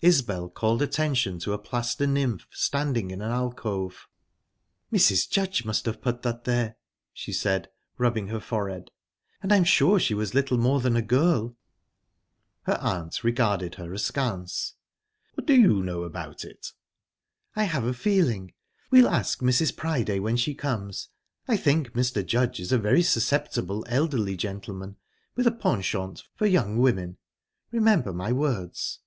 Isbel called attention to a plaster nymph, standing in an alcove. "Mrs. Judge must have put that there," she said, rubbing her forehead; "and I am sure she was little more than a girl." Her aunt regarded her askance. "What do you know about it?" "I have a feeling. We'll ask Mrs. Priday when she comes. I think Mr. Judge is a very susceptible elderly gentleman with a penchant for young women. Remember my words."